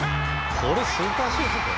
これスーパーシュートだよ。